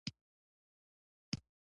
مېلمه ته که څه هم یواځې دی، خوشحال کړه.